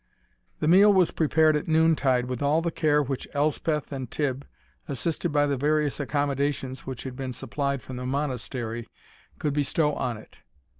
The meal was prepared at noontide with all the care which Elspeth and Tibb, assisted by the various accommodations which had been supplied from the Monastery, could bestow on it.